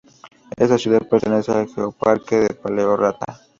Esta ciudad pertenece a geoparque de Paleorrota.